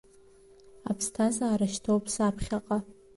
Аԥсҭазаара шьҭоуп, саԥхьаҟа…